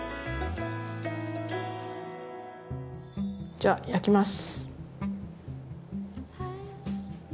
じゃあ焼きます。